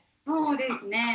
そうですね